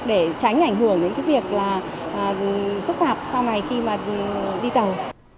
để tránh ảnh hưởng đến cái việc là phức tạp sau này khi mà đi tàu